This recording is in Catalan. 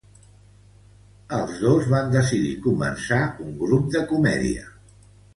Els dos van decidir començar un grup de comèdia.